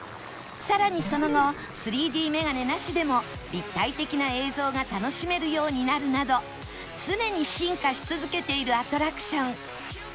さらにその後 ３Ｄ メガネなしでも立体的な映像が楽しめるようになるなど常に進化し続けているアトラクション